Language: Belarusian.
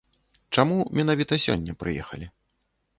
Чаму менавіта сёння прыехалі?